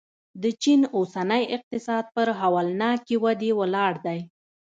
د چین اوسنی اقتصاد پر هولناکې ودې ولاړ دی.